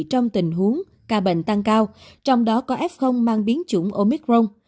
trong tình huống ca bệnh tăng cao trong đó có f mang biến chủng omicron